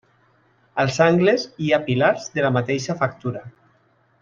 Als angles hi ha pilars de la mateixa factura.